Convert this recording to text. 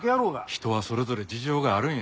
人はそれぞれ事情があるんや。